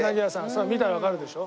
それは見たらわかるでしょ。